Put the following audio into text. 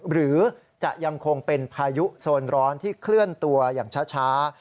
หรือจะยังคงเป็นพายุโซนร้อนที่เคลื่อนตัวอย่างช้า